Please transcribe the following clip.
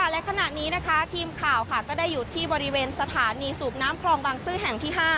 และขณะนี้นะคะทีมข่าวก็ได้อยู่ที่บริเวณสถานีสูบน้ำคลองบางซื่อแห่งที่๕